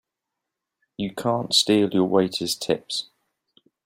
You can't steal your waiters' tips!